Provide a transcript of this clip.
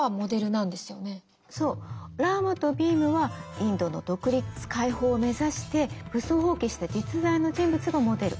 そうラーマとビームはインドの独立解放を目指して武装蜂起した実在の人物がモデル。